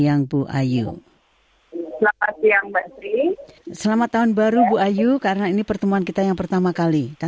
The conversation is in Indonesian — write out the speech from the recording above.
nah bu ayu untuk kali ini saya ingin